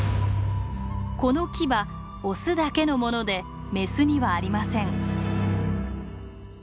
このキバオスだけのものでメスにはありません。